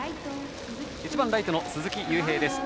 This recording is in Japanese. １番ライトの鈴木悠平です。